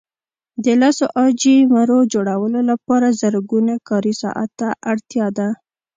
د لسو عاجي مرو جوړولو لپاره زرګونه کاري ساعته اړتیا ده.